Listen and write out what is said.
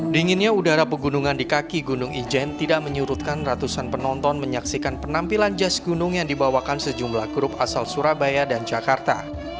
dinginnya udara pegunungan di kaki gunung ijen tidak menyurutkan ratusan penonton menyaksikan penampilan jas gunung yang dibawakan sejumlah grup asal surabaya dan jakarta